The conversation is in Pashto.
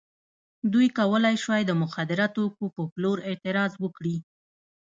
دوی کولای شوای د مخدره توکو په پلور اعتراض وکړي.